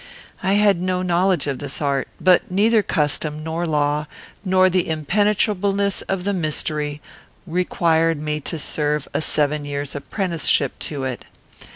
I had no knowledge of this art; but neither custom, nor law, nor the impenetrableness of the mystery, required me to serve a seven years' apprenticeship to it.